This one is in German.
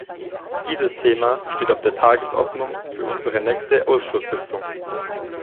Dieses Thema steht auf der Tagesordnung für unsere nächste Ausschusssitzung.